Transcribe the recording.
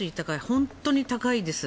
本当に高いです。